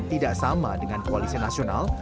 tidak sama dengan koalisi nasional